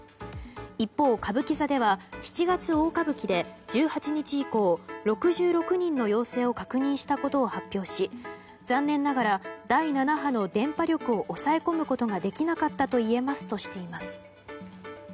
一方、歌舞伎座では「七月大歌舞伎」で１８日以降、６６人の陽性を確認したことを発表し残念ながら、第７波の伝播力を抑え込むことができなかったとしています。